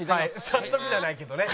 早速じゃないけどね。